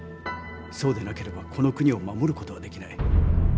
そうでなければこの国を守ることはできない。